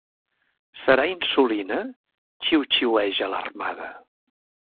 Serà insulina? —xiuxiueja, alarmada.